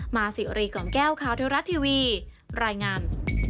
มาสิวรีกล่อมแก้วข่าวเทวรัฐทีวีรายงาน